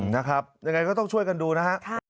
อย่างไรก็ต้องช่วยกันดูนะครับ